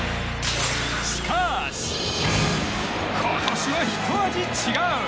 しかし、今年はひと味違う！